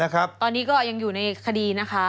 ตอนนี้ก็ยังอยู่ในคดีนะคะ